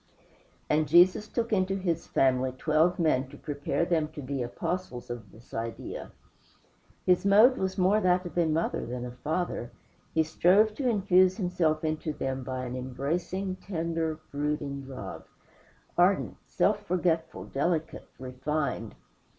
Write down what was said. And Jesus took into his family twelve men to prepare them to be the Apostles of this idea. His mode was more that of a mother than a father. He strove to infuse Himself into them by an embracing, tender, brooding love; ardent, self forgetful, delicate, refined.